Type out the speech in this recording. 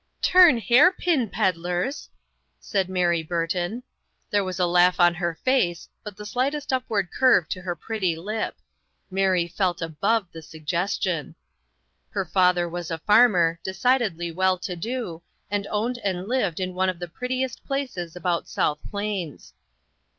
" Turn hair pin pedlers !" said Mary Bur ton. There was a laugh on her face, but the slightest upward curve to her pretty lip. Mary felt above the suggestion. Her father was a farmer, decidedly well to do, and owned and lived in one of the prettiest places about South Plains.